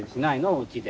おうちで。